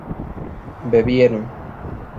bebieron